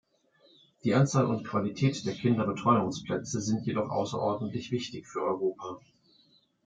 Die Anzahl und Qualität der Kinderbetreuungsplätze sind jedoch außerordentlich wichtig für Europa.